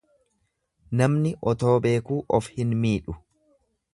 Namni otoo beekuu of hin miidhu.